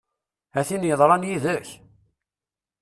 A tin yeḍran yid-k!